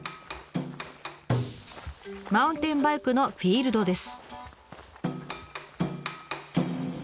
マウンテンバイクのフィールドです。